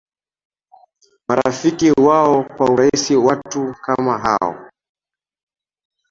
marafiki wao kwa urahisi Watu kama hao